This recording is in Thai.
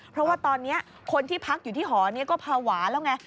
เพราะว่าตอนนี้คนที่พักอยู่ที่หอนี้ก็ภาวะแล้วไง